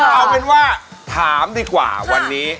เอาเป็นว่าถามดีกว่าวันนี้